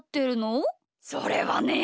それはね